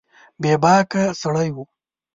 بې باکه سړی و